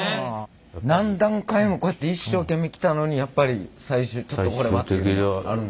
何段階もこうやって一生懸命来たのにやっぱり最終「ちょっとこれは」っていうのはあるんですか？